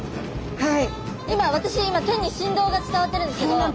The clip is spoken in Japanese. はい。